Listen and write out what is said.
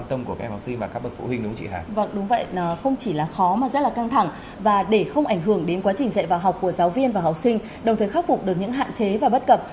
trình dạy vào học của giáo viên và học sinh đồng thời khắc phục được những hạn chế và bất cập